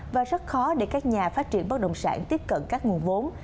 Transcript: và rất khó để các nhà phát triển bất động sản tiếp cận các nguồn vốn